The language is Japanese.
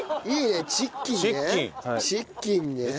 いいね！